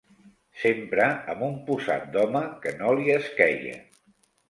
Sempre amb un posat d'home, que no li esqueia